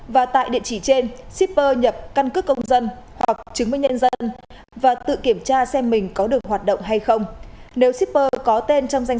và tại địa chỉ trên shipper nhập căn cứ công dân hoặc chứng minh nhân dân và tự kiểm tra xem mình có được hoạt động hay không